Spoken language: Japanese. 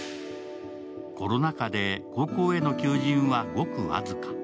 コロナ禍で高校への求人はごく僅か。